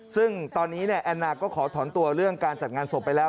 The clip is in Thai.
ซึ่งตอนนี้แอนนาก็ขอถอนตัวเรื่องการจัดงานศพไปแล้ว